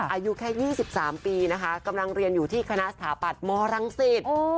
อายุแค่๒๓ปีนะคะกำลังเรียนอยู่ที่คณะสถาปัตย์มรังสิต